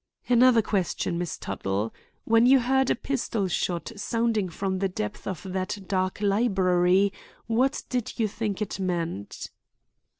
"Another question, Miss Tuttle. When you heard a pistol shot sounding from the depths of that dark library, what did you think it meant?"